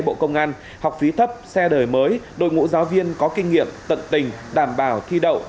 bộ công an học phí thấp xe đời mới đội ngũ giáo viên có kinh nghiệm tận tình đảm bảo thi đậu